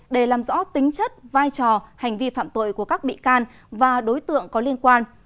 để làm rõ tính chất vai trò hành vi phạm tội của các bị can và đối tượng có liên quan